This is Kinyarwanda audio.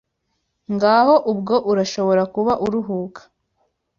ngaho ubwo urashobora kuba uruhuka